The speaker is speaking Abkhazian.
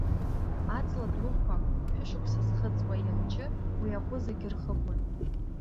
Аҵла дуқәа, шәышықәса зхыҵуа, еилачы, уи ахәы зегь рхыбуан.